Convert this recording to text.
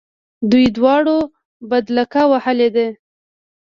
دوی دواړو بدلک وهلی دی.